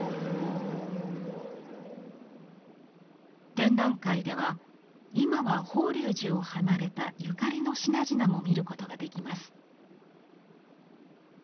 展覧会では今は法隆寺を離れたゆかりの品々も見ることができます。